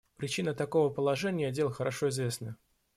Причины такого положения дел хорошо известны.